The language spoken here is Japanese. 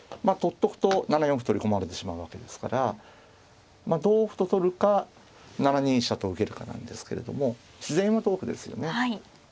とくと７四歩取り込まれてしまうわけですから同歩と取るか７二飛車と受けるかなんですけれども自然は同歩ですよね。